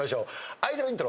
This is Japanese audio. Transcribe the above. アイドルイントロ。